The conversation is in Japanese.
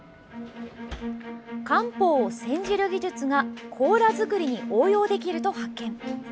漢方を煎じる技術がコーラ作りに応用できると発見。